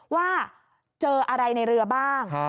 ว่าเจออะไรในเรือบ้าง